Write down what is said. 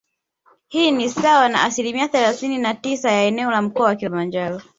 Hii ni sawa na asilimia thelasini na tisa ya eneo la Mkoa wa Kilimanjaro